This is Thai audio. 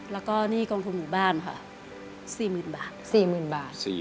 แล้วก็หนี้กองทมุบานค่ะ๔๐๐๐๐บาท